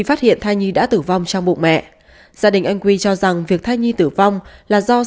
phát hiện thai nhi đã tử vong trong bụng mẹ gia đình anh quy cho rằng việc thai nhi tử vong là do